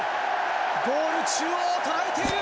ゴール中央を捉えている！